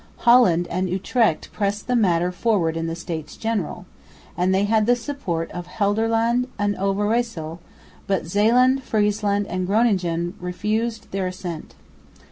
Holland and Utrecht pressed the matter forward in the States General, and they had the support of Gelderland and Overyssel, but Zeeland, Friesland and Groningen refused their assent.